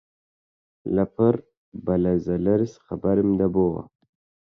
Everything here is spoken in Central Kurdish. لەپڕ بە لەرزە لەرز خەبەرم دەبۆوە